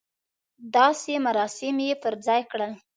داسې مراسم یې پر ځای کړل.